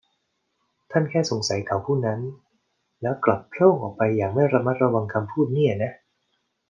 ท่านแค่สงสัยเขาผู้นั้น แล้วกลับโพล่งออกไปอย่างไม่ระมัดระวังคำพูดเนี่ยนะ